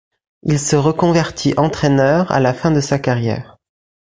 Il se reconvertit entraîneur à la fin de sa carrière.